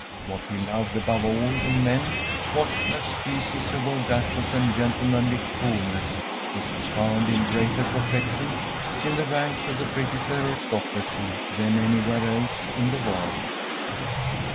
What he loved above all in men was that species of audacious and gentlemanly coolness which is found in greater perfection in the ranks of the British aristocracy than anywhere else in the world.